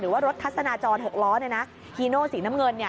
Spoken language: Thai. ว่ารถทัศนาจร๖ล้อฮีโน่สีน้ำเงิน